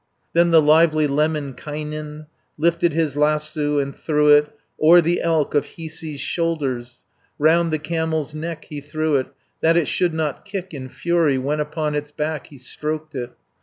Then the lively Lemminkainen Lifted his lasso, and threw it O'er the elk of Hiisi's shoulders, Round the camel's neck he threw it, That it should not kick in fury, When upon its back he stroked it.